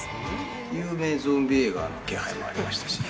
有名ゾンビ映画の気配がありましたし。